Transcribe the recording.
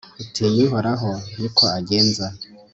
utinya uhoraho ni ko agenza